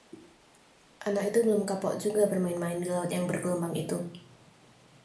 anak itu belum kapok juga bermain-main di laut yang bergelombang itu